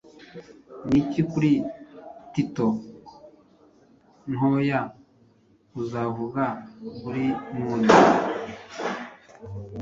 Niki kuri tito ntoya uzavuga burimuni